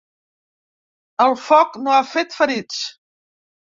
El foc no ha fet ferits.